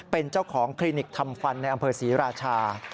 เป็นเจ้าของคลินิกทำฟันในอำเภอศรีราชา